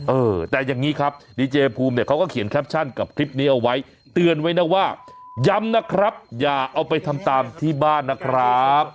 เออแต่อย่างนี้ครับดีเจภูมิเนี่ยเขาก็เขียนแคปชั่นกับคลิปนี้เอาไว้เตือนไว้นะว่าย้ำนะครับอย่าเอาไปทำตามที่บ้านนะครับ